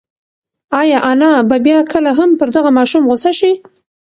ایا انا به بیا کله هم پر دغه ماشوم غوسه شي؟